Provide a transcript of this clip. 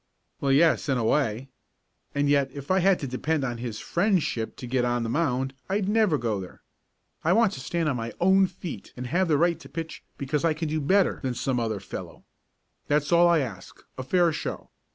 "Well, yes, in a way. And yet if I had to depend on his friendship to get on the mound I'd never go there. I want to stand on my own feet and have the right to pitch because I can do better than some other fellow. That's all I ask a fair show.